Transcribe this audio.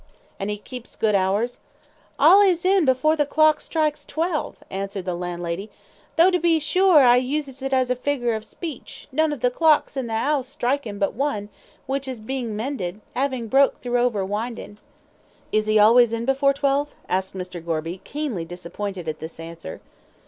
"And he keeps good hours?" "Allays in afore the clock strikes twelve," answered the landlady; "tho', to be sure, I uses it as a figger of speech, none of the clocks in the 'ouse strikin' but one, which is bein' mended, 'avin' broke through overwindin'." "Is he always in before twelve?" asked Mr. Gorby, keenly disappointed at this answer.